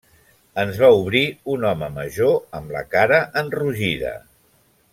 Ens va obrir un home major amb la cara enrogida.